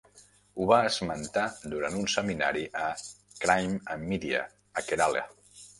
Ho va esmentar durant un seminari a "Crime and Media" a Kerala.